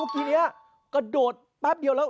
ทีนี้กระโดดแป๊บเดียวแล้ว